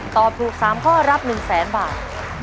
ตอบถูก๓ข้อรับ๑แสนบาท